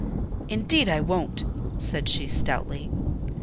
"Indeed, I won't," said she, stoutly.